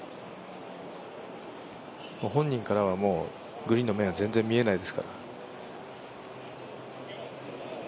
本人からはもうグリーンの面は全然見えないですから。